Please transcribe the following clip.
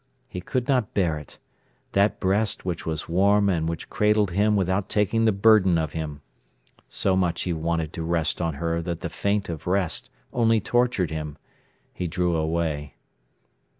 He could not bear it—that breast which was warm and which cradled him without taking the burden of him. So much he wanted to rest on her that the feint of rest only tortured him. He drew away.